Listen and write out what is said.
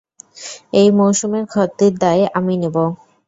এই মৌসুমের ক্ষতির দায় আমি নেব।